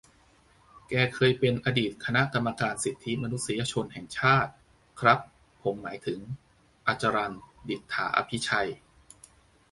แกเคยเป็นอดีตคณะกรรมการสิทธิมนุษยชนแห่งชาติ ครับผมหมายถึง อจรัล ดิษฐาอภิชัย